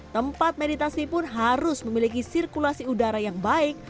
tempat meditasi pun harus memiliki sirkulasi udara yang baik